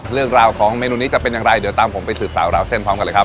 เรื่องราวของเมนูนี้จะเป็นอย่างไรเดี๋ยวตามผมไปสืบสาวราวเส้นพร้อมกันเลยครับ